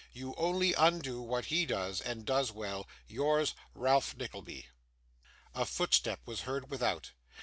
You only undo what he does, and does well. 'Yours, 'RALPH NICKLEBY.' A footstep was heard without.